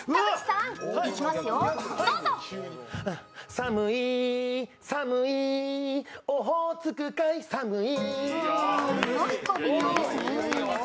寒い、寒い、オホーツク海、寒い。